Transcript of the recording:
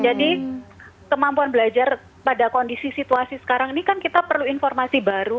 jadi kemampuan belajar pada kondisi situasi sekarang ini kan kita perlu informasi baru